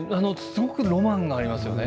すごくロマンがありますよね。